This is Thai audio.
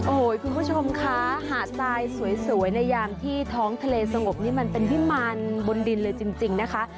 โอ้โหคุณผู้ชมคะหาดทรายสวยในยามที่ท้องทะเลสงบนี่มันเป็นวิมารบนดินเลยจริงนะคะ